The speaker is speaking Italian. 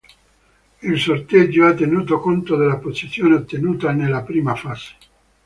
Il sorteggio ha tenuto conto della posizione ottenuta nella prima fase.